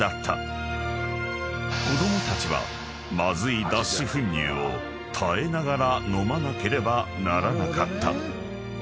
［子供たちはまずい脱脂粉乳を耐えながら飲まなければならなかった］